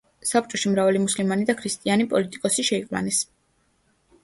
საბჭოში მრავალი მუსულმანი და ქრისტიანი პოლიტიკოსი შეიყვანეს.